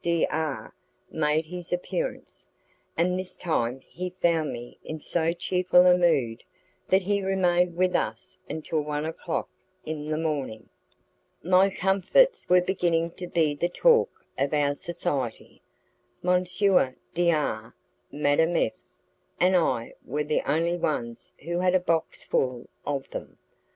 D R made his appearance, and this time he found me in so cheerful a mood that he remained with us until one o'clock in the morning. My comfits were beginning to be the talk of our society. M. D R , Madame F , and I were the only ones who had a box full of them.